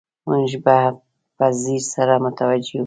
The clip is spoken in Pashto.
موږ به په ځیر سره متوجه وو.